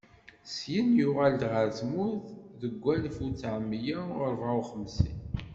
Syin yuɣal-d ɣer tmurt deg walef u ttɛemya u ṛebɛa u xemsin.